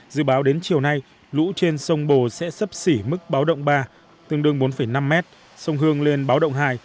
dự báo đến chiều nay lũ trên sông bồ sẽ sấp xỉ mức báo động ba tương đương bốn năm m sông hương lên báo động hai